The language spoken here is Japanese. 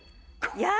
いや！